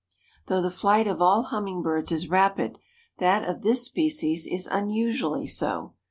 ] Though the flight of all hummingbirds is rapid, that of this species is unusually so.